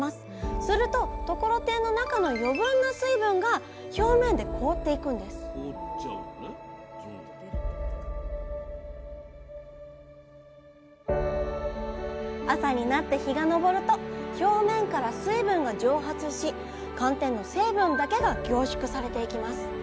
するとところてんの中の余分な水分が表面で凍っていくんです朝になって日が昇ると表面から水分が蒸発し寒天の成分だけが凝縮されていきます。